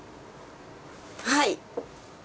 はい？